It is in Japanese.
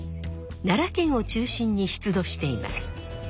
奈良県を中心に出土しています。